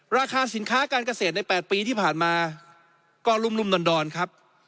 ราคาสินค้าการเกษตรใน๘ปีที่ผ่านมาก็รุ่มดอนครับ